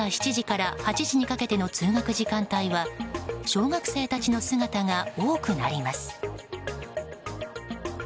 朝７時から８時にかけての通学時間帯は小学生たちの姿が多くなります。